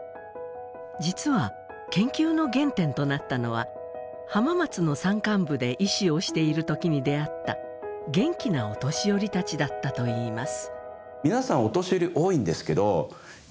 実は研究の原点となったのは浜松の山間部で医師をしている時に出会った元気なお年寄りたちだったといいます。